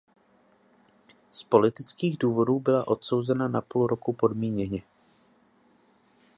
Z politických důvodů byla odsouzena na půl roku podmíněně.